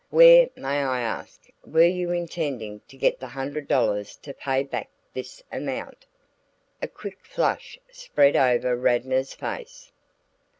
Where, may I ask, were you intending to get the hundred dollars to pay back this amount?" A quick flush spread over Radnor's face.